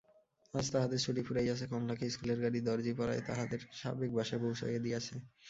আজ তাহাদের ছুটি ফুরাইয়াছে–কমলাকে ইস্কুলের গাড়ি দরজিপাড়ায় তাহাদের সাবেক বাসায় পৌঁছাইয়া দিয়াছে।